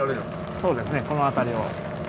そうですねこの辺りを。